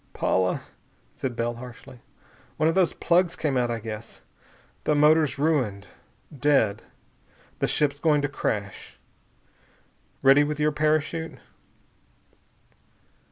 "Paula," said Bell harshly, "one of those plugs came out, I guess. The motor's ruined. Dead. The ship's going to crash. Ready with your parachute?"